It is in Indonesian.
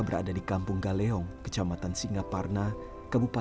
berangkat ke sekolah ditemani ayah dan ibunya